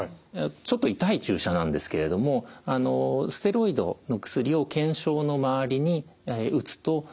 ちょっと痛い注射なんですけれどもステロイドの薬を腱鞘の周りにうつと非常にこれよく治ります。